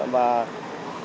và gây ủn tắc